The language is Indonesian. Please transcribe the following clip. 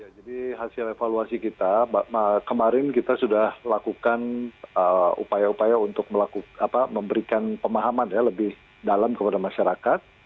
jadi hasil evaluasi kita kemarin kita sudah lakukan upaya upaya untuk memberikan pemahaman lebih dalam kepada masyarakat